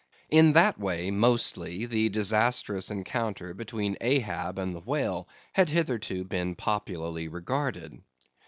In that way, mostly, the disastrous encounter between Ahab and the whale had hitherto been popularly regarded.